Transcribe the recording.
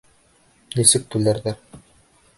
Нисек түләрҙәр!